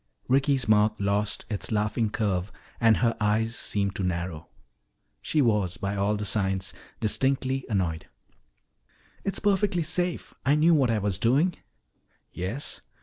Ricky's mouth lost its laughing curve and her eyes seemed to narrow. She was, by all the signs, distinctly annoyed. "It's perfectly safe. I knew what I was doing." "Yes?